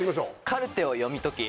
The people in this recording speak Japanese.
カルテを読み解き